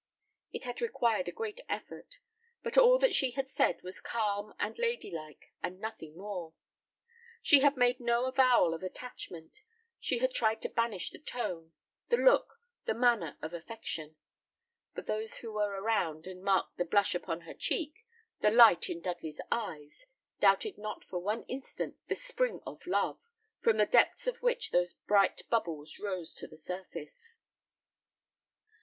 It had required a great effort; but all that she had said was calm and lady like and nothing more. She had made no avowal of attachment; she had tried to banish the tone, the look, the manner of affection; but those who were around and marked the blush upon her cheek, the light in Dudley's eyes, doubted not for one instant the spring of love, from the depths of which those bright bubbles rose to the surface.